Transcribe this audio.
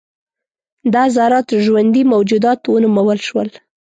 دا ذرات ژوندي موجودات ونومول شول.